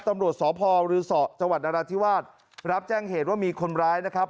ตำรวจสพบริษฐจนรทิวาทรับแจ้งเหตุว่ามีคนร้ายนะครับ